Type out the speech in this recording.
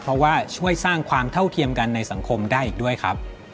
เพราะว่าช่วยสร้างความเท่าเทียมกันในสังคมได้อีกด้วยครับ